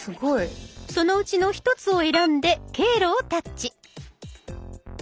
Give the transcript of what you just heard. そのうちの１つを選んで「経路」をタッチ。